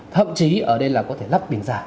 thậm chí ở đây là có thể lắp bình giả